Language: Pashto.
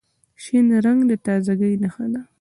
شین رنګ د تازګۍ نښه ده.